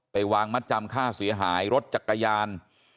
วางมัดจำค่าเสียหายรถจักรยาน